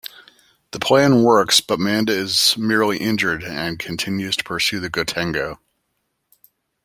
The plan works, but Manda is merely injured and continues to pursue the "Gotengo".